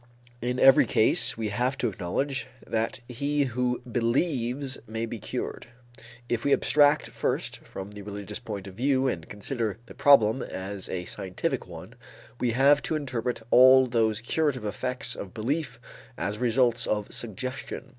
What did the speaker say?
In every case we have to acknowledge that he who believes may be cured. If we abstract first from the religious point of view and consider the problem as a scientific one, we have to interpret all those curative effects of belief as results of suggestion.